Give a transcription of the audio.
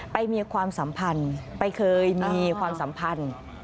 มีความสัมพันธ์ไปเคยมีความสัมพันธ์